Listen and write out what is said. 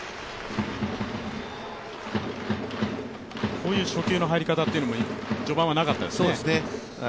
こういう初球の入り方というのも序盤はなかったですね。